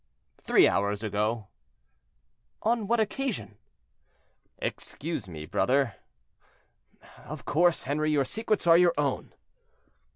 "Three hours ago." "On what occasion?" "Excuse me, brother." "Of course, Henri, your secrets are your own."